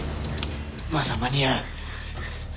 まだ間に合う。